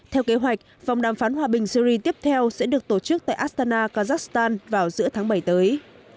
theo kế hoạch vòng đàm phán hòa bình syri tiếp theo sẽ được tổ chức tại astana kazakhstan vào giữa tháng bảy tới